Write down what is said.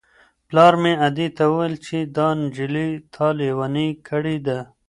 پلار مې ادې ته وویل چې دا نجلۍ تا لېونۍ کړې ده.